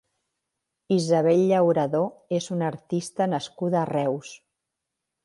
Isabel Llauradó és una artista nascuda a Reus.